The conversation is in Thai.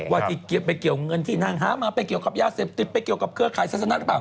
ว่าที่ไปเกี่ยวเงินที่นางหามาไปเกี่ยวกับยาเสพติดไปเกี่ยวกับเครือข่ายศาสนาหรือเปล่า